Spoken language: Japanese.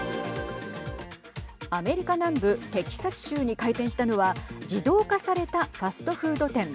アメリカ南部テキサス州に開店したのは自動化されたファストフード店。